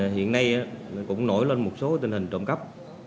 hiện nay cũng nổi lên một số tình hình trộm cắp